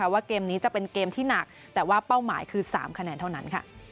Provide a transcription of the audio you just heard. ว่าเกมนี้จะเป็นเกมที่หนักแต่ว่าเป้าหมายคือ๓คะแนนเท่านั้น